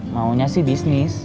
maunya sih bisnis